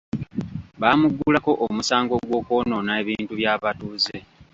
Baamuggulako omusango gw’okwonoona ebintu by’abatuuze.